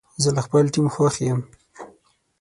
زه له خپل ټیم خوښ یم.